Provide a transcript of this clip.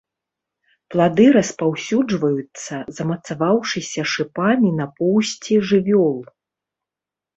Плады распаўсюджваюцца, замацаваўшыся шыпамі на поўсці жывёл.